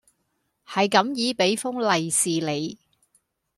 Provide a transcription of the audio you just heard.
系噉意畀封利市你